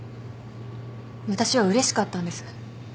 私はうれしかったんです。